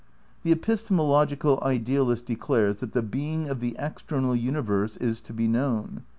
The epistemological idealist declares that the being of the external universe is to be known.